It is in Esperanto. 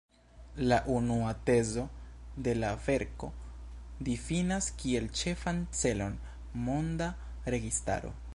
La unua tezo de la verko difinas kiel ĉefan celon monda registaro.